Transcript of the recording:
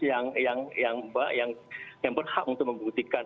yang berhak untuk membuktikan